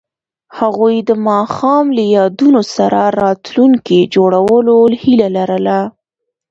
هغوی د ماښام له یادونو سره راتلونکی جوړولو هیله لرله.